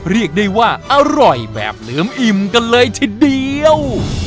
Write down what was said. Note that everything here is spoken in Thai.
เรียกได้ว่าอร่อยแบบเหลือมอิ่มกันเลยทีเดียว